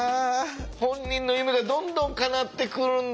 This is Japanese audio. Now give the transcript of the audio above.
本人の夢がどんどんかなってくるんだ。